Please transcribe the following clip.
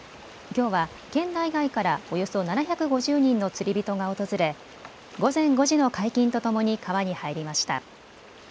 きょうは県内外からおよそ７５０人の釣り人が訪れ午前５時の解禁とともに川に入りました。